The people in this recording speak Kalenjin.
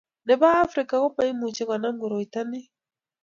Nebo afrika komoimuchi konam koroitani